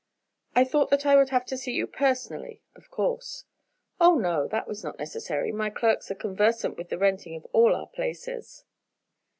"I thought that I would have to see you personally, of course." "Oh, no, that was not necessary. My clerks are conversant with the renting of all our places."